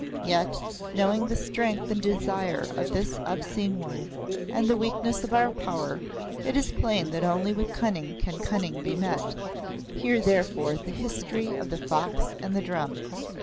Yet, knowing the strength and desire of this obscene one and the weakness of our power, it is plain that only with cunning can cunning be met. Hear, therefore, the history of the Fox and the Drum.